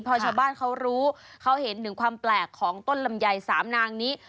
พอชาวบ้านเขารู้เขาเห็นถึงความแปลกของต้นลำไยสามนางนี้